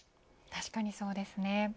確かにそうですね。